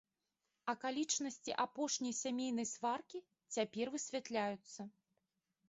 Акалічнасці апошняй сямейнай сваркі цяпер высвятляюцца.